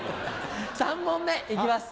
３問目いきます。